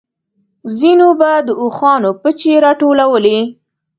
ځينو به د اوښانو پچې راټولولې.